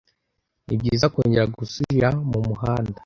Nibyiza kongera gusubira mumuhanda.